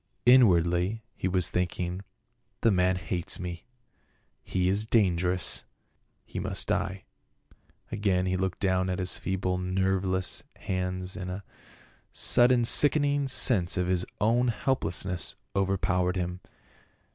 Inwardly he was thinking, "The man hates me ; he is dangerous ; he must die." Again he looked down at his feeble nerveless hands, and a sud THE END OF THE PLAY. 199 den sickening sense of his own helplessness overpow ered him.